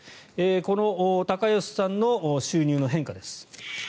このタカヨシさんの収入の変化です。